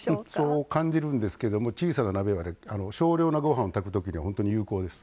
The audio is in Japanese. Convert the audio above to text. そう感じるんですけども小さな鍋は少量のご飯を炊くときには本当に有効です。